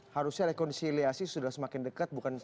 harusnya rekonsiliasi sudah semakin dekat